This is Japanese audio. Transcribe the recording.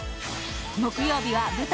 木曜日は舞台